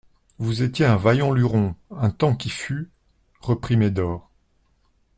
Vous étiez un vaillant luron, un temps qui fut, reprit Médor.